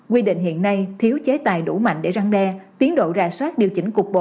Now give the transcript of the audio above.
quy định hiện nay thiếu chế tài đủ mạnh để răng đe tiến độ rà soát điều chỉnh cục bộ